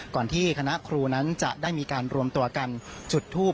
ก่อนที่คณะครูนั้นจะได้มีการรวมตัวกันจุดทูป